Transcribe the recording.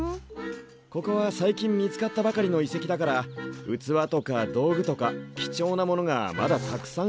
ここは最近見つかったばかりの遺跡だから器とか道具とか貴重なものがまだたくさんうまっているはずなんだ。